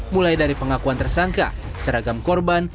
mulai dari pengakuan tersangka seragam korban